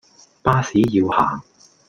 巴士要行